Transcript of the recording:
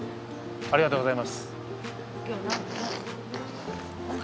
ありがとうございます。